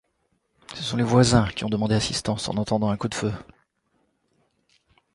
Ce sont les voisins qui ont demandé assistance en entendant un coup de feu.